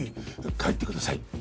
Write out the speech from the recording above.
帰ってください。